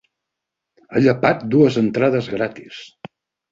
Ha llepat dues entrades gratis.